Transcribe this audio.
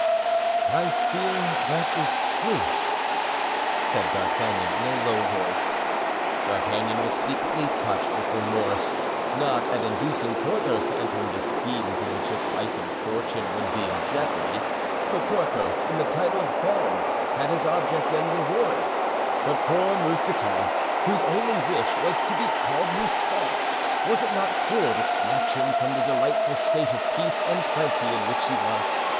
"I fear that is true," said D'Artagnan, in a low tone. D'Artagnan was secretly touched with remorse, not at inducing Porthos to enter into schemes in which his life and fortune would be in jeopardy, for Porthos, in the title of baron, had his object and reward; but poor Mousqueton, whose only wish was to be called Mouston—was it not cruel to snatch him from the delightful state of peace and plenty in which he was?